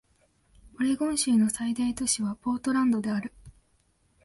オレゴン州の最大都市はポートランドである